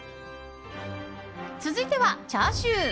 続いてはチャーシュー。